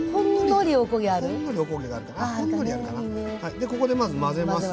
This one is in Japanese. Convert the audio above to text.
でここでまず混ぜます。